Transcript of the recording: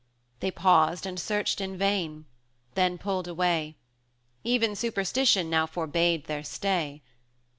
They paused and searched in vain, then pulled away; Even Superstition now forbade their stay.